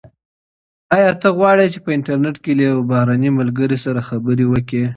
ایا ته غواړې چي په انټرنیټ کي له یو بهرني ملګري سره خبرې وکړې؟